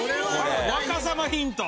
若さまヒント！？